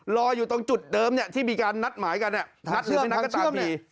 รออยู่ตรงจุดเดิมที่มีการนัดหมายกันนัดหรือไม่นัดก็ตามที